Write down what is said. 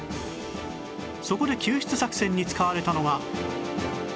そこで救出作戦に使われたのが